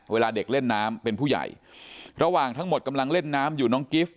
เวลาเด็กเล่นน้ำเป็นผู้ใหญ่ระหว่างทั้งหมดกำลังเล่นน้ำอยู่น้องกิฟต์